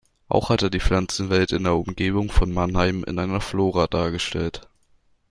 Auch hat er die Pflanzenwelt in der Umgebung von Mannheim in einer Flora dargestellt.